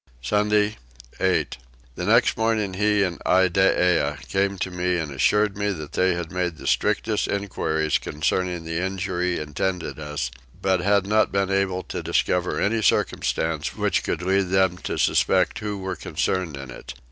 Sunday 8. The next morning he and Iddeah came to me and assured me that they had made the strictest enquiries concerning the injury intended us but had not been able to discover any circumstance which could lead them to suspect who were concerned in it.